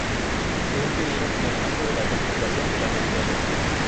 Fue un pionero en el campo de la conservación de la naturaleza.